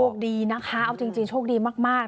คดีนะคะเอาจริงโชคดีมาก